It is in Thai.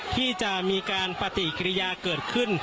ที่จะมีการปฏิกิริยาเกิดขึ้น